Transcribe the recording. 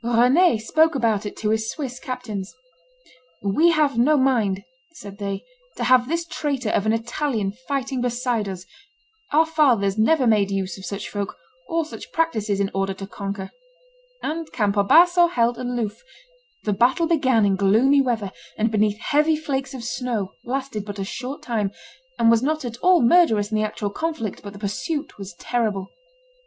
Rene spoke about it to his Swiss captains. "We have no mind," said they, "to have this traitor of an Italian fighting beside us; our fathers never made use of such folk or such practices in order to conquer." And Campo Basso held aloof. The battle began in gloomy weather, and beneath heavy flakes of snow, lasted but a short time, and was not at all murderous in the actual conflict, but the pursuit was terrible.